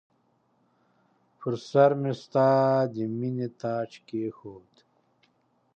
پر سرمې ستا د مییني تاج کښېښود